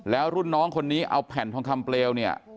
แล้วรุ่นน้องคนนี้เอาแผ่นทองคำเปลวเนี่ย